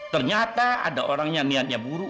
ternyata ada orang yang niatnya buruk